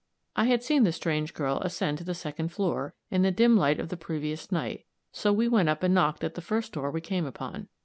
I had seen the strange girl ascend to the second floor, in the dim light of the previous night, so we went up and knocked at the first door we came upon.